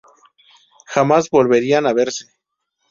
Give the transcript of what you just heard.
Jamás volverían a verse.